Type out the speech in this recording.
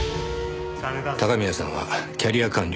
高宮さんはキャリア官僚。